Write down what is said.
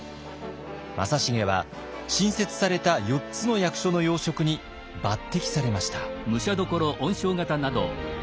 正成は新設された４つの役所の要職に抜てきされました。